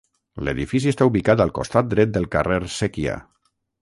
L'edifici està ubicat al costat dret del carrer Séquia.